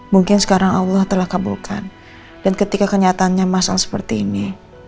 mungkin sekarang allah telah kabulkan dan ketika kenyataannya masal seperti ini